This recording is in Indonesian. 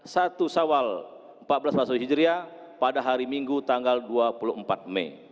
satu sawal empat belas pasal hijriah pada hari minggu tanggal dua puluh empat mei